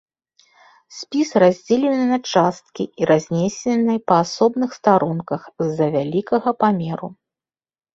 Спіс раздзелены на часткі і разнесены па асобных старонках з-за вялікага памеру.